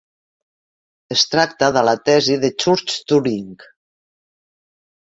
Es tracta de la tesi de Church-Turing.